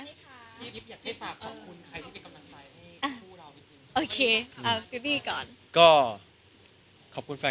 อยากฝากขอบคุณใครที่ไปกำลังไซด์ให้ผู้เรา